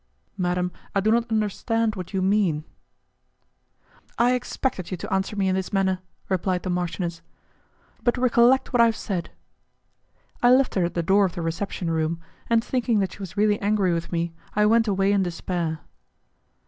"Madam, I do not understand what you mean." "I expected you to answer me in this manner," replied the marchioness, "but recollect what I have said." I left her at the door of the reception room, and thinking that she was really angry with me, I went away in despair.